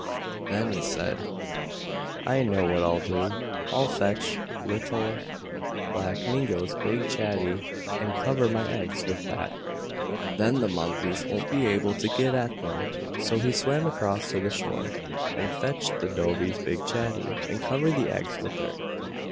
Then he said, "I know what I'll do, I'll fetch Little Black Mingo's big chatty and cover my eggs with that, then the Mongoose won't be able to get at them." So he swam across to the shore, and fetched the dhobi's big chatty, and covered the eggs with it.